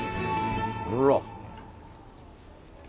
ほら！